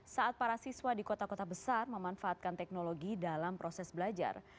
saat para siswa di kota kota besar memanfaatkan teknologi dalam proses belajar